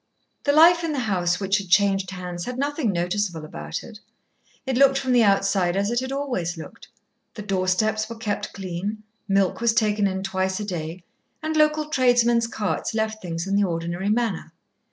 The life in the house which had changed hands had nothing noticeable about it. It looked from the outside as it had always looked. The door steps were kept clean, milk was taken in twice a day, and local tradesmen's carts left things in the ordinary manner.